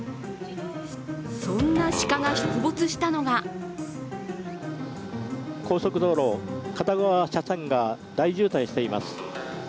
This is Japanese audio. そんな鹿が出没したのが高速道路、片側車線が大渋滞しています。